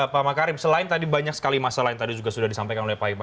pak makarim selain tadi banyak sekali masalah yang tadi juga sudah disampaikan oleh pak imam